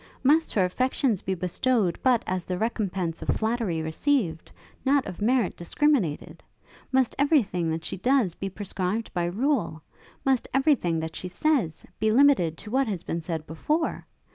Must her affections be bestowed but as the recompence of flattery received; not of merit discriminated? Must every thing that she does be prescribed by rule? Must everything that she says, be limited to what has been said before?